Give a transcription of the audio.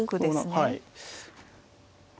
はい。